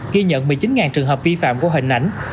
ghi nhận một mươi chín trường hợp vi phạm qua hình ảnh